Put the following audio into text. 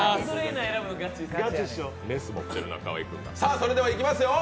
それではいきますよ、